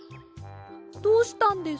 どうしたんです？